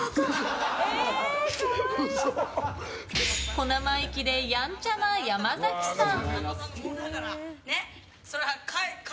小生意気でやんちゃな山崎さん。